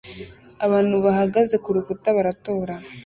Abantu bahagaze kurukuta baratora